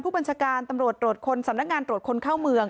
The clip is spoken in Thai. บัญชาการตำรวจตรวจคนสำนักงานตรวจคนเข้าเมือง